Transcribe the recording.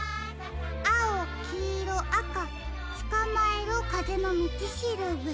「あおきいろあかつかまえろかぜのみちしるべ」。